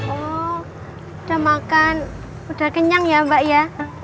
oh udah makan udah kenyang ya mbak ya